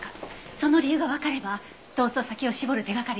その理由がわかれば逃走先を絞る手がかりになるはずよ。